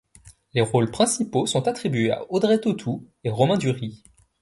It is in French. Les rôles principaux sont attribués à Audrey Tautou et Romain Duris.